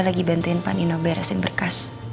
lagi bantuin pak nino beresin berkas